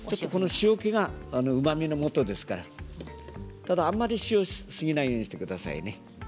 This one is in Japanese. この塩けがうまみのもとですからただあんまり塩をしすぎないようにしてくださいね。